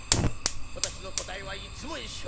私の答えはいつも一緒。